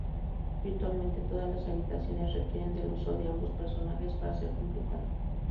Virtualmente todas las habitaciones requieren del uso de ambos personajes para ser completadas.